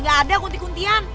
gak ada kunti kuntian